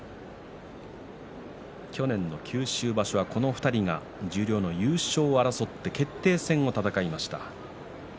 去年の九州場所はこの２人が十両の優勝を争って決定戦を戦いました。